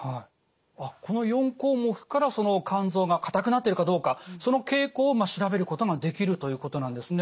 あっこの４項目から肝臓が硬くなってるかどうかその傾向を調べることができるということなんですね。